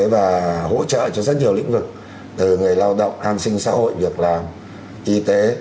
và hỗ trợ cho rất nhiều lĩnh vực từ người lao động an sinh xã hội việc làm y tế